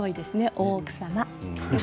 大奥様。